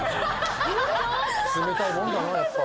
冷たいもんだなやっぱ。